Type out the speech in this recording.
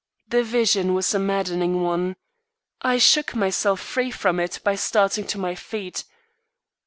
The vision was a maddening one. I shook myself free from it by starting to my feet.